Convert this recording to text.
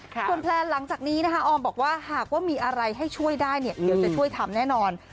ส่วนแพลนหลังจากนี้นะคะออมบอกว่าหากว่ามีอะไรให้ช่วยได้เนี่ยเดี๋ยวจะช่วยทำแน่นอน